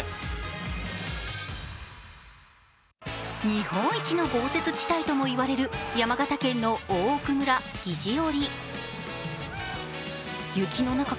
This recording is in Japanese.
日本一の豪雪地帯ともいわれる山形県の大蔵村肘折。